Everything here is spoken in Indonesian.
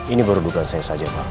ini baru dukansi saja pak